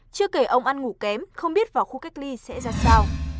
chưa kể ông ăn ngủ kém không biết vào khu cách ly sẽ ra sao